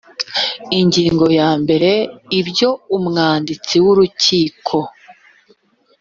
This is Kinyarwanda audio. ingingo ya mbere ibyo umwanditsi w urukiko